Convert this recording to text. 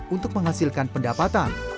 untuk menghasilkan pendapatan